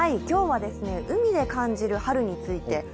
今日は海で感じる春について。